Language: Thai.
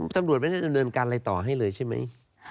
ตำรวจมันจะเงินการอะไรต่อให้เลยใช่ไหม